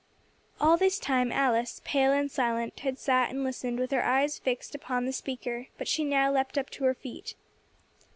All this time Alice, pale and silent, had sat and listened with her eyes fixed upon the speaker, but she now leapt up to her feet.